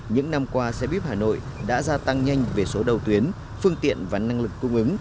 những năm qua xe buýt hà nội đã gia tăng nhanh về số đầu tuyến phương tiện và năng lực cung ứng